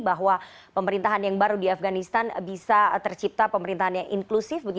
bahwa pemerintahan yang baru di afganistan bisa tercipta pemerintahan yang inklusif